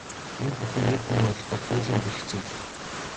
Энэ бүхэн эр хүн ойлгоход туйлын бэрх зүйл.